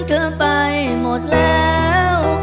จริงฝ่ายมาแล้ว